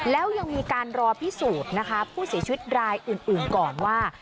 แล้วยังมีการรอพิสูจน์นะคะผู้เสียชีวิตรายอื่นก่อนว่า